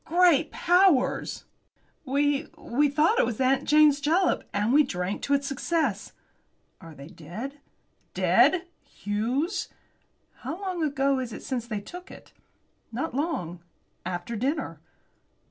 "Great powers!" "We we thought it was 'Aunt Jane's Jalap,' and we drank to its success." "Are they dead?" "Dead! Hughes!" "How long ago is it since they took it?" "Not long. After dinner."